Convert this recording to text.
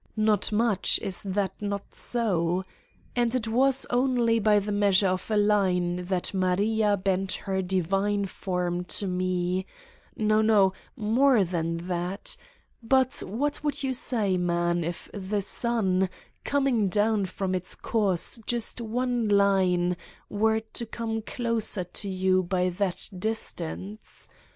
Not much, is that not so? And it was only by the measure of a line that Maria bent her divine form to me no, no more than that! But what would you say, man, if the swi, coming down from its course just one line were to come closer to you by that distance